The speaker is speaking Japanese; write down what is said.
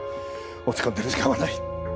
落ち込んでる時間はない。